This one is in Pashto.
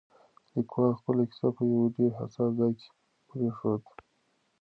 لیکوال خپله کیسه په یو ډېر حساس ځای کې پرېښوده.